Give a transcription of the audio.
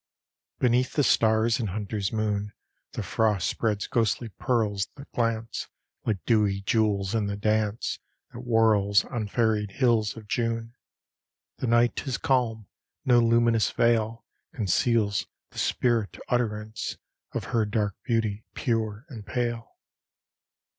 Beneath the stars and hunter's moon The frost spreads ghostly pearls, that glance Like dewy jewels in the dance That whirls on fairied hills of June: The night is calm; no luminous veil Conceals the spirit utterance Of her dark beauty, pure and pale.